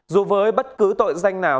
dù với bất cứ tội danh nào